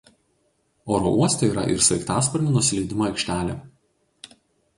Oro uoste yra ir sraigtasparnių nusileidimo aikštelė.